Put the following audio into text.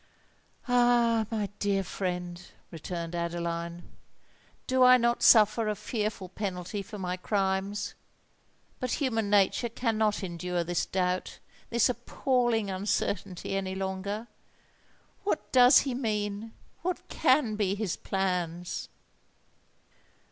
"Ah! my dear friend," returned Adeline; "do I not suffer a fearful penalty for my crimes? But human nature cannot endure this doubt—this appalling uncertainty any longer! What does he mean? what can be his plans?"